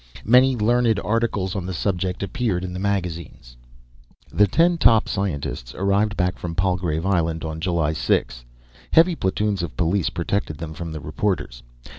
Many learned articles on the subject appeared in the magazines. The ten scientists arrived back from Palgrave Island on July 6. Heavy platoons of police protected them from the reporters.